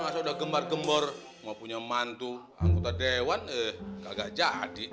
masa udah gembar gembor mau punya mantu anggota dewan kagak jadi